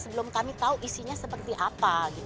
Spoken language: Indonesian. sebelum kami tahu isinya seperti apa